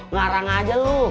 ngarang aja lu